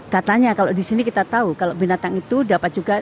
katanya kalau di sini kita tahu kalau binatang itu dapat juga